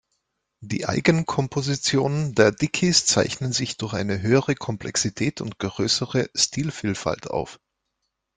Die Eigenkompositionen der Dickies zeichnen sich durch eine höhere Komplexität und größere Stilvielfalt auf.